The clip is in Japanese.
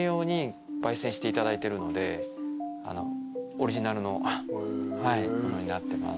オリジナルのものになってます。